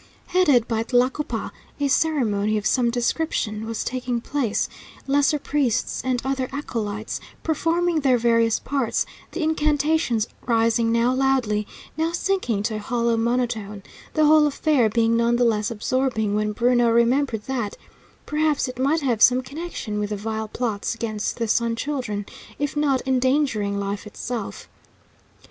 Headed by Tlacopa, a ceremony of some description was taking place, lesser priests and other acolytes performing their various parts, the incantations rising now loudly, now sinking to a hollow monotone, the whole affair being none the less absorbing when Bruno remembered that, perhaps, it might have some connection with the vile plots against the Sun Children, if not endangering life itself.